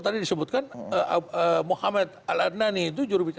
jadi kita bisa menyebutkan muhammad al adnani itu jurubicara